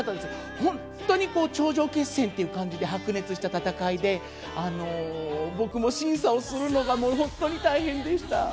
本当に頂上決戦という感じで白熱した戦いで僕も審査をするのが本当に大変でした。